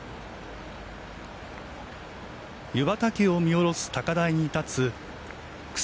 湯畑を見下ろす高台に立つ草